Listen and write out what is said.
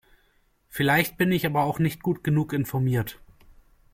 Vielleicht bin ich aber auch nicht gut genug informiert.